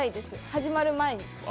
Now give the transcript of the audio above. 始まる前に。